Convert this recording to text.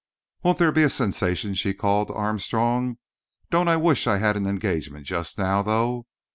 "Won't there be a sensation?" she called to Armstrong. "Don't I wish I had an engagement just now, though!